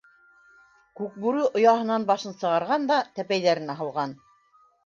Күкбүре ояһынан башын сығарған да тәпәйҙәренә һалған.